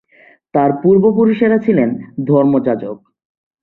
তার পূর্বপুরুষেরা ছিলেন ধর্মযাজক।